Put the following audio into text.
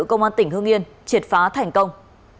công an tỉnh hương yên triệt phá thành công